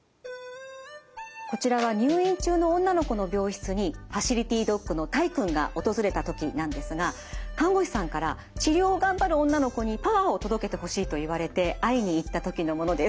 こちらは入院中の女の子の病室にファシリティドッグのタイくんが訪れた時なんですが看護師さんから治療を頑張る女の子にパワーを届けてほしいと言われて会いに行った時のものです。